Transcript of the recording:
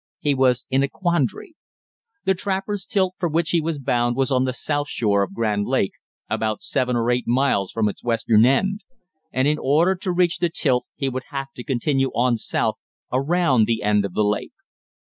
He was in a quandary. The trapper's tilt for which he was bound was on the south shore of Grand Lake about seven or eight miles from its western end, and in order to reach the tilt he would have to continue on south around the end of the lake.